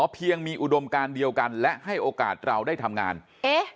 เพียงมีอุดมการเดียวกันและให้โอกาสเราได้ทำงานเอ๊ะ